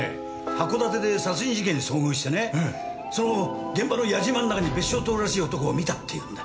函館で殺人事件に遭遇してねその現場の野次馬の中に別所透らしい男を見たっていうんだ。